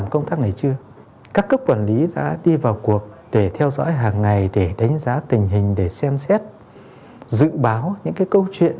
các cấp quản lý đã đi vào cuộc để theo dõi hàng ngày để đánh giá tình hình để xem xét dự báo những cái câu chuyện